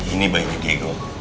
ini baiknya gego